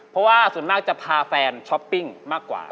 เพราะว่าส่วนมากจะพาแฟนช้อปปิ้งมากกว่า